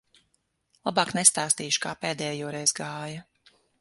Labāk nestāstīšu, kā pēdējoreiz gāja.